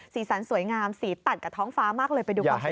สีสันสวยงามสีตัดกับท้องฟ้ามากเลย